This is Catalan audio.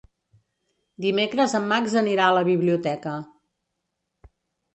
Dimecres en Max anirà a la biblioteca.